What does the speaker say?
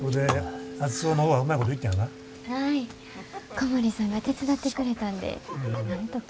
小森さんが手伝ってくれたんでなんとか。